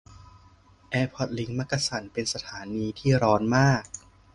แอร์พอร์ตลิงค์มักกะสัน เป็นสถานีที่ร้อนมาก